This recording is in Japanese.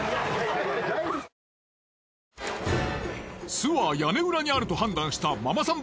巣は屋根裏にあると判断したママさん